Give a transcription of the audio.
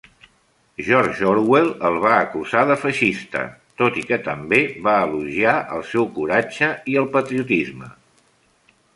George Orwell el va acusar de feixista, tot i que també va elogiar el seu coratge i el patriotisme.